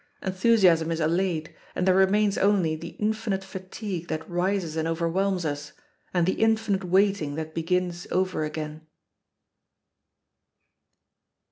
Enthusiasm is allayed, and there remains only the infinite fatigue that rises and overwhelms us, and the infinite waiting that begins over again.